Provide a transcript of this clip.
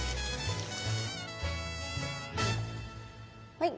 はい。